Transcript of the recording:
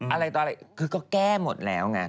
อะไรต่ออะไรคือก็แก้หมดแล้วไง